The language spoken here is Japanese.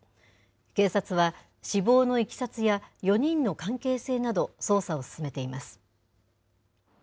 警察は、死亡のいきさつや、４人の関係性など捜査を進めています。